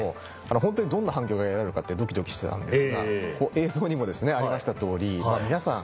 ホントにどんな反響が得られるかってドキドキしてたんですが映像にもありました通り皆さん